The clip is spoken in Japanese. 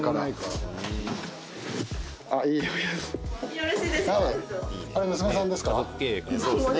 よろしいですか？